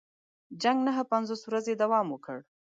جنګ نهه پنځوس ورځې دوام وکړ.